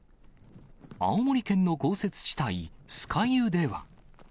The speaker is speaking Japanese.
青森県の豪雪地帯、酸ヶ湯では。